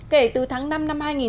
kể từ tháng năm năm hai nghìn một mươi